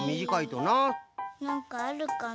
なんかあるかな？